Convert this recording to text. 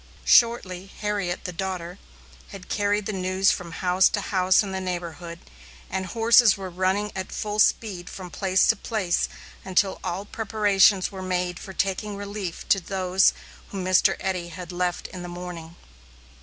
Shortly, Harriet, the daughter, had carried the news from house to house in the neighborhood, and horses were running at full speed from place to place until all preparations were made for taking relief to those whom Mr. Eddy had left in the morning.